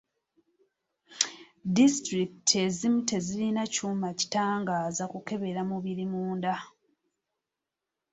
Disitulikiti ezimu tezirina kyuma kitangaaza kukebera mu mubiri munda.